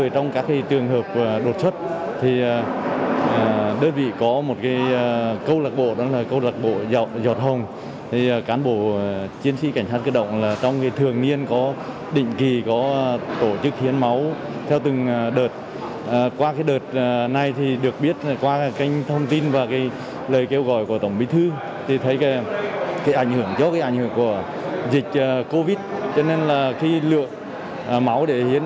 trong sáng nay có ba trăm năm mươi cán bộ chiến sĩ tiểu đoàn cảnh sát cơ động tân binh ở trung tâm huấn luyện